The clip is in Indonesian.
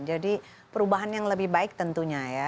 perubahan yang lebih baik tentunya ya